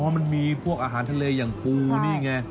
มันมีพวกอาหารทะเลอย่างปูนี่ไง